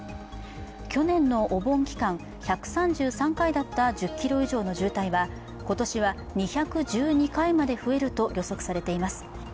去年のお盆期間、１３３回だった１０ｋｍ以上の渋滞は今年は２１２回まで増えると予測されています。